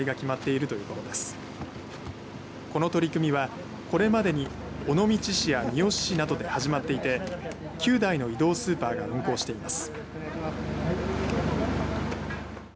この取り組みは、これまでに尾道市や三次市などで始まっていて９台の移動スーパーが運行しています。